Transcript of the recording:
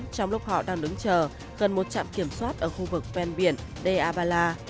trong lúc họ đang đứng chờ gần một trạm kiểm soát ở khu vực ven biển deir al bala